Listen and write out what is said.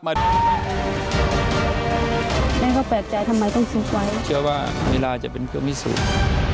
แม่ก็แปลกใจทำไมต้องซุกไว้เชื่อว่าลีลาจะเป็นเครื่องพิสูจน์